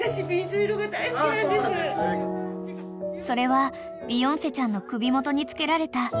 ［それはビヨンセちゃんの首元に着けられた］